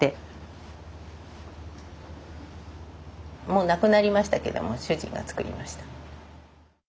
もう亡くなりましたけども主人が作りました。